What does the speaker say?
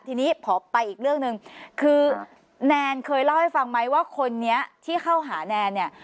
ทีนี้พอไปอีกเรื่องหนึ่งคือแนนเคยเล่าให้ฟังไหมว่าคนนี้ที่เข้าหาแนนเนี่ย